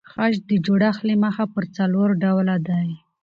خج د جوړښت له مخه پر څلور ډوله دئ.